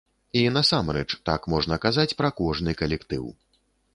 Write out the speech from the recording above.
І, насамрэч, так можна казаць пра кожны калектыў.